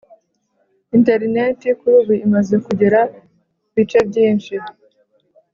interineti kuri ubu imaze kugera bice byinshi